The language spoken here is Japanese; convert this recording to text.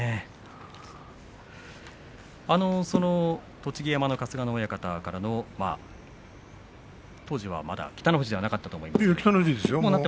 栃木山の春日野親方からの当時はまだ北の富士ではなかったと思いますけれど。